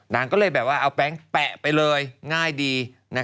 นางก็เลยแบบว่าเอาแป๊งแปะไปเลยง่ายดี